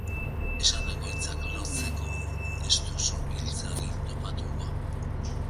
Esandako hitzak lotzeko ez duzu giltzarik topatuko.